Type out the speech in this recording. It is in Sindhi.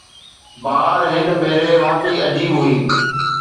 بهار هن ڀيري واقعي عجيب هئي.